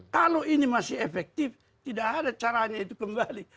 kalau ini masih efektif tidak ada caranya itu kembali